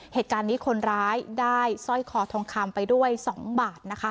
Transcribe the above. เหตุการณ์นี้คนร้ายได้สร้อยคอทองคำไปด้วย๒บาทนะคะ